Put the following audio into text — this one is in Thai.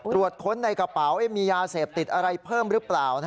ค้นในกระเป๋ามียาเสพติดอะไรเพิ่มหรือเปล่า